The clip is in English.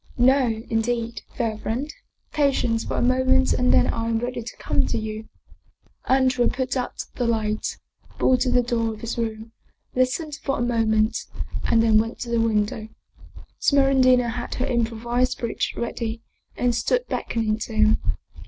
" No, indeed, fair friend. Patience for a moment and then I am ready to come to you." Andrea put out the light, bolted the door of his room, listened a moment, and then went to the window. Smeraldina had her improvised bridge ready and stood beckoning to him.